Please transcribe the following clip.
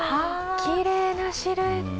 きれいなシルエット！